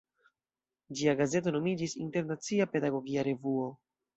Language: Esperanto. Ĝia gazeto nomiĝis "Internacia Pedagogia Revuo.